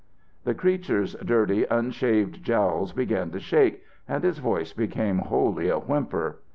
"The creature's dirty, unshaved jowls began to shake, and his voice became wholly a whimper.